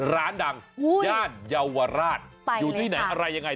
ร้านดังย่านเยาวราชอยู่ที่ไหนอะไรยังไง